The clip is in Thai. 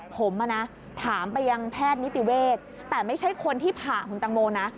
ผมถามไปยังแพทย์นิติเวศแต่ไม่ใช่คนที่ผ่าคุณตังโมนะ